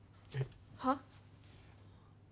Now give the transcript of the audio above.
はっ？